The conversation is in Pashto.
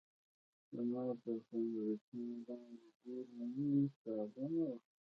د ماتو کانکریټونو لاندې زیرزمیني سالمه وه